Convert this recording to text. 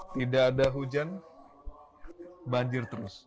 tidak ada hujan banjir terus